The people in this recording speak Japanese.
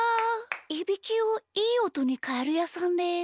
いびきをいいおとにかえるやさんです。